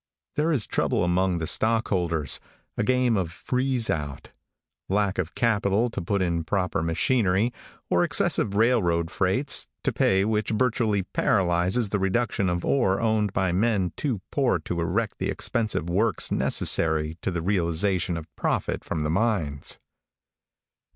There is trouble among the stock holders; a game of freeze out; lack of capital to put in proper machinery, or excessive railroad freights, to pay which virtually paralyzes the reduction of ore owned by men too poor to erect the expensive works necessary to the realization of profit from the mines.